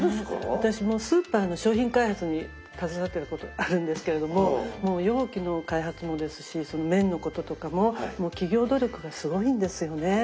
私もスーパーの商品開発に携わっていたことあるんですけれどももう容器の開発もですしその麺のこととかももう企業努力がすごいんですよね。